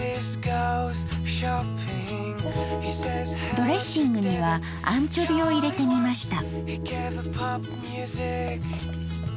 ドレッシングにはアンチョビを入れてみました。